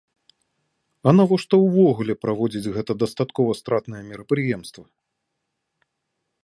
А навошта ўвогуле праводзіць гэта дастаткова стратнае мерапрыемства?